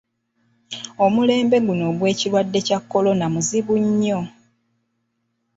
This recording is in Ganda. Omulembe guuno ogw'ekirwadde kya kkolona muzibu nnyo.